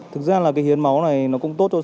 thực ra là cái hiên máu này nó cũng tốt cho